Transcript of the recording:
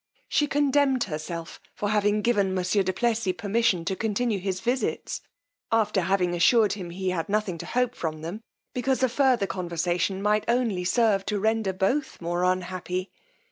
She condemned herself for having given monsieur du Plessis permission to continue his visits, after having assured him he had nothing to hope from them, because a further conversation might only serve to render both more unhappy.